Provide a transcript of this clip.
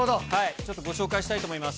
ちょっとご紹介したいと思います。